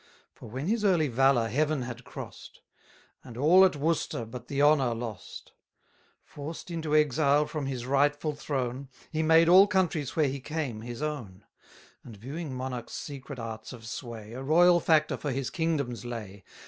For when his early valour Heaven had cross'd; And all at Worcester but the honour lost; Forced into exile from his rightful throne, He made all countries where he came his own; And viewing monarchs' secret arts of sway, A royal factor for his kingdoms lay.